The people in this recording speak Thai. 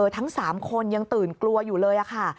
ทั้ง๓คนยังตื่นกลัวอยู่เลยค่ะ